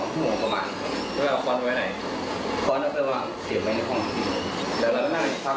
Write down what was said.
คือขอทางพ่อนี่คือขอเงินพ่อ